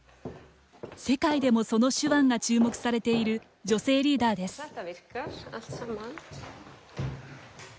世界でもその手腕が注目されている女性リーダーです。